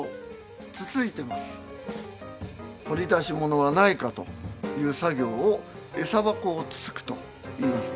掘り出し物はないかという作業を「餌箱をつつく」といいます。